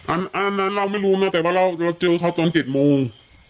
อันนั้นเราไม่รู้นะแต่ว่าเราเจอเขาตอน๗โมง